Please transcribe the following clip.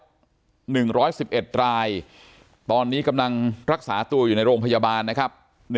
๑๑๑๑รายตอนนี้กำลังรักษาตัวอยู่ในโรงพยาบาลนะครับ